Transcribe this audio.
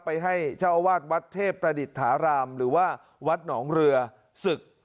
ให้เจ้าอาวาสวัดเทพประดิษฐารามหรือว่าวัดหนองเรือศึก